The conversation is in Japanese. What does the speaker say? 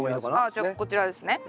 あっじゃあこちらですね。